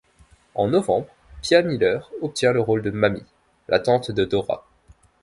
En novembre, Pia Miller obtient le rôle de Mami, la tante de Dora.